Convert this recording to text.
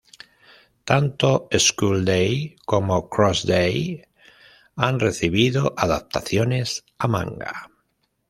Tanto "School Days" como "Cross Days" han recibido adaptaciones a manga.